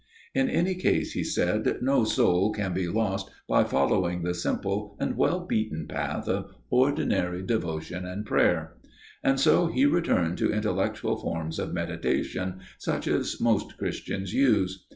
'In any case,' he said, 'no soul can be lost by following the simple and well beaten path of ordinary devotion and prayer.' And so he returned to intellectual forms of meditation, such as most Christians use.